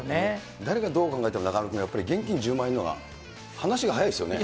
誰がどう考えても中丸君、現金１０万円のほうが、話が早いですよね。